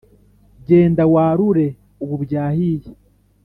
Genda warure ubu byahiye